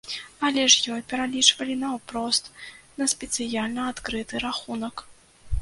Але ж ёй пералічвалі наўпрост на спецыяльна адкрыты рахунак.